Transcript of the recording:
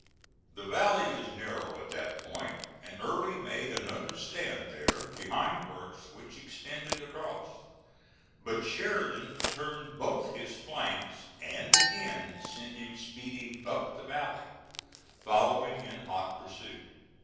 The valley is narrow at that point, and Early made another stand there, behind works which extended across. But Sheridan turned both his flanks and again sent him speeding up the valley, following in hot pursuit.